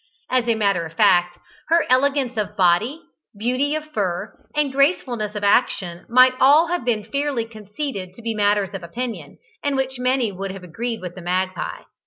As a matter of fact, her elegance of body, beauty of fur, and gracefulness of action might all have been fairly conceded to be matters of opinion, in which many would have agreed with the magpie.